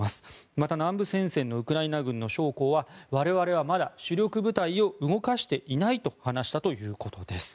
また、南部戦線のウクライナ軍の将校は我々はまだ主力部隊を動かしていないと話したということです。